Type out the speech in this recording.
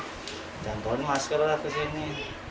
jangan tolong masker lah kesini